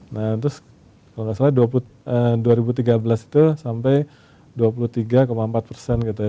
nah terus kalau nggak salah dua ribu tiga belas itu sampai dua puluh tiga empat persen gitu ya